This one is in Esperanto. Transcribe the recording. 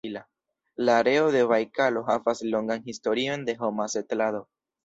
La areo de Bajkalo havas longan historion de homa setlado.